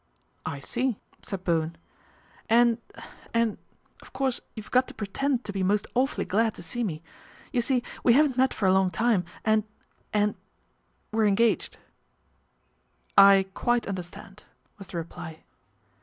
" I see," said Bowen. " And and of course you've got to pretend to be most awfully glad to see me. You see we ADVENTURE AT THE QUADRANT 35 haven't met for a long time and and we're engaged." " I quite understand," was the reply.